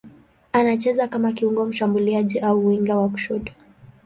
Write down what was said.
Anacheza kama kiungo mshambuliaji au winga wa kushoto.